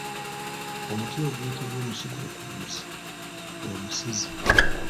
Omuti oguyitibwa omusiguukuluzi gwe Musizi.